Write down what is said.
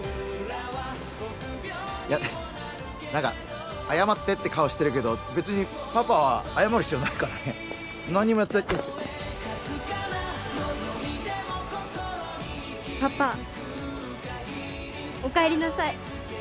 いや何か謝ってって顔してるけど別にパパは謝る必要ないからね何もやってパパお帰りなさい